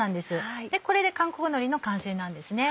これで韓国のりの完成なんですね。